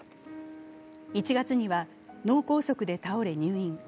１月には脳梗塞で倒れ入院。